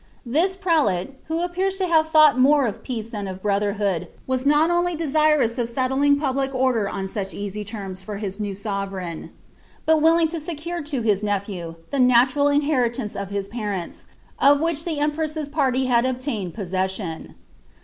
This prelate, who apficar* lo have thought more of peace than of brotherhood, was 1I1.H only destraus of settling public order on such easy terms for his iidw iKiTercign, hut wUling lo secure lo his nephew ilie natural inh» ntancE at his parents, of which the einpress's pariy bad obtained •r^ton.